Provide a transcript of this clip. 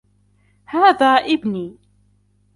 هذا إبني.